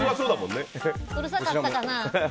うるさかったかな。